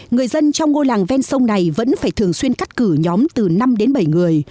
người dân trong ngôi làng ven sông này vẫn phải thường xuyên cắt cử nhóm từ năm đến bảy người